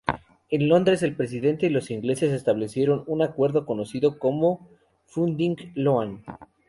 En Londres, el presidente y los ingleses establecieron un acuerdo, conocido como "funding-loan".